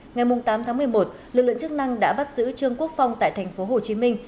ngày tám tháng một mươi một lực lượng chức năng đã bắt giữ trương quốc phong tại thành phố hồ chí minh